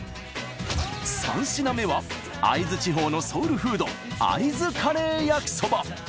３品目は会津地方のソウルフード会津カレー焼きそば。